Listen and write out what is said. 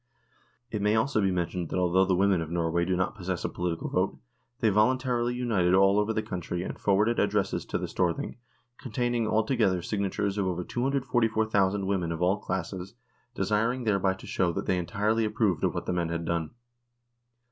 It may also be mentioned that although the women of Norway do not possess a political vote, they volun tarily united all over the country and forwarded addresses to the Storthing, containing altogether sig natures of over 244,000 women of all classes, desiring 144 NORWAY AND THE UNION WITH SWEDEN thereby to show that they entirely approved of what the men had done.